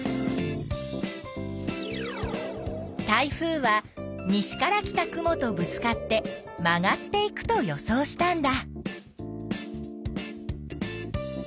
台風は西から来た雲とぶつかって曲がっていくと予想したんだ。